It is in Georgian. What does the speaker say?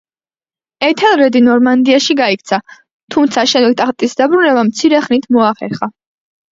ეთელრედი ნორმანდიაში გაიქცა, თუმცა შემდეგ ტახტის დაბრუნება მცირე ხნით მოახერხა.